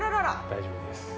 大丈夫です。